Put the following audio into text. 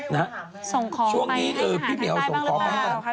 ส่งของไปให้อาหารขัดได้บ้างละครับ